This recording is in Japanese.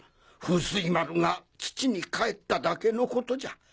風水丸が土に還っただけの事じゃ。